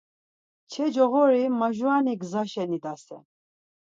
Kçe coğori majurani gzaşen idasen.